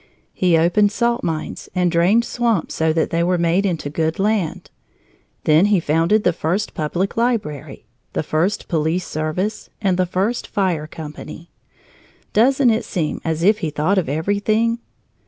He opened salt mines and drained swamps so that they were made into good land. Then he founded the first public library, the first police service, and the first fire company. Doesn't it seem as if he thought of everything?